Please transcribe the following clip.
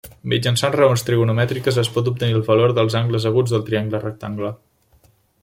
Mitjançant raons trigonomètriques es pot obtenir el valor dels angles aguts del triangle rectangle.